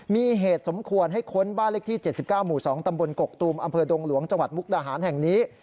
มีเหตุสมควรให้ค้นบ้านเลขที่๗๙หมู่๒ตำบลกกตูมอำเภอดงหลวงจังหวัดมุกดาหารแห่งนี้